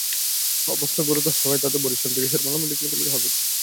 অবস্থা গুরুতর হওয়ায় পরে তাঁদের বরিশাল শেরে-ই-বাংলা মেডিকেল কলেজ হাসপাতালে পাঠানো হয়।